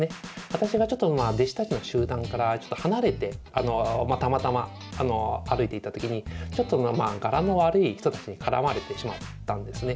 私が弟子たちの集団からちょっと離れてたまたま歩いていた時にちょっと柄の悪い人たちに絡まれてしまったんですね。